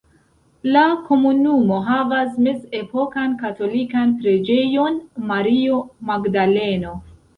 La komunumo havas mezepokan katolikan Preĝejon Mario Magdaleno.